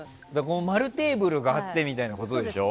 丸テーブルがあってみたいなことでしょ。